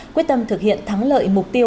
quyết tâm thực hiện thắng lợi mục tiêu